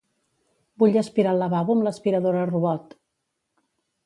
Vull aspirar el lavabo amb l'aspiradora robot.